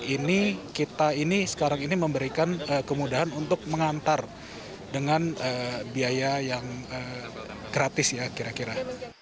ini kita ini sekarang ini memberikan kemudahan untuk mengantar dengan biaya yang gratis ya kira kira